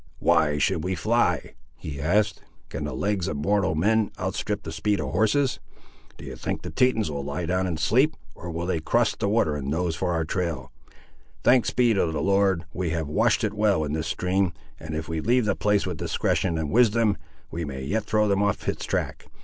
"Why should we fly?" he asked. "Can the legs of mortal men outstrip the speed of horses? Do you think the Tetons will lie down and sleep; or will they cross the water and nose for our trail? Thanks be to the Lord, we have washed it well in this stream, and if we leave the place with discretion and wisdom, we may yet throw them off its track.